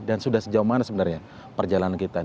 dan sudah sejauh mana sebenarnya perjalanan kita